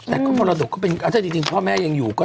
แต่มรดกก็เป็นอาจารย์จริงพ่อแม่ยังอยู่